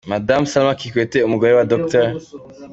Madamu Salma Kikwete umugore wa Dr.